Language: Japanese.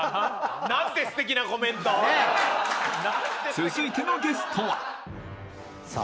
［続いてのゲストは］さあ。